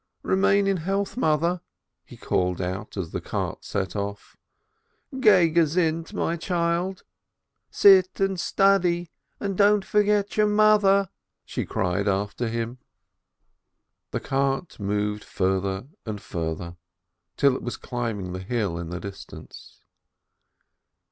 "Remain in health, mother!" he called out as the cart set off. "Go in health, my child! Sit and study, and don't forget your mother !" she cried after him. The cart moved further and further, till it was climb ing the hill in the distance.